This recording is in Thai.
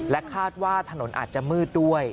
คาดว่าถนนอาจจะมืดด้วย